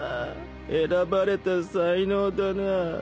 選ばれた才能だなぁ。